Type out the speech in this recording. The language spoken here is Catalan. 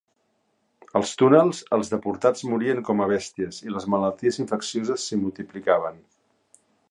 Als túnels, els deportats morien com a bèsties i les malalties infeccioses s'hi multiplicaven.